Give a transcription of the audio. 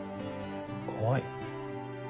怖い？